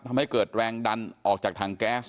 ทำให้เกิดแรงดันออกจากถังแก๊ส